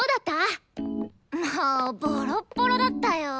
もうボロッボロだったよ。